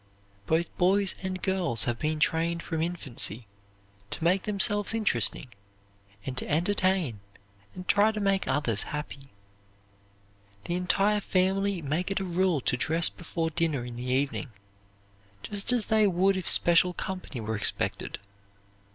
Both boys and girls have been trained from infancy to make themselves interesting, and to entertain and try to make others happy. The entire family make it a rule to dress before dinner in the evening, just as they would if special company were expected.